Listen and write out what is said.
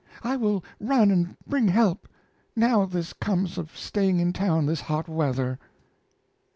I will run and bring help! Now this comes of staying in town this hot weather."